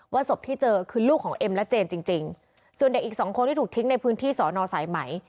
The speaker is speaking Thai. ศพที่เจอคือลูกของเอ็มและเจนจริงจริงส่วนเด็กอีกสองคนที่ถูกทิ้งในพื้นที่สอนอสายไหม